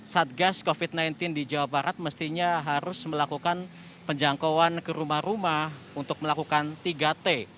satgas covid sembilan belas di jawa barat mestinya harus melakukan penjangkauan ke rumah rumah untuk melakukan tiga t